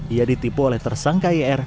ia ditipu oleh tersangka yr